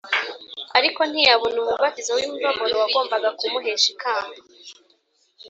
, ariko ntiyabona umubatizo w’imibabaro wagombaga kumuhesha ikamba